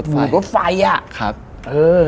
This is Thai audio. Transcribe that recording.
วูดรถไฟ